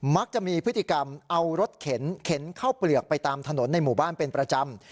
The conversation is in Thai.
มักจะมีพฤติกรรมเอารถเข็นเข็นเข้าเปลือกไปตามถนนในหมู่บ้านเป็นประจำ